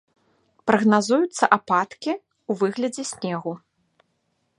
Прагназуюцца ападкі ў выглядзе снегу.